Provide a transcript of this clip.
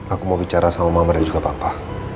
aku mau bicara sama mama dan juga papa